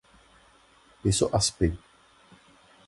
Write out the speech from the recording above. Piso a Spi